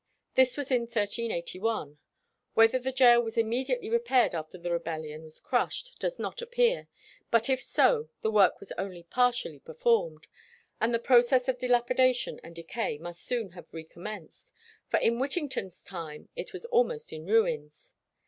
This was in 1381. Whether the gaol was immediately repaired after the rebellion was crushed does not appear; but if so, the work was only partially performed, and the process of dilapidation and decay must soon have recommenced, for in Whittington's time it was almost in ruins.